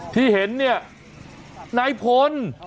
ที่เห็นเนี่ยนายพล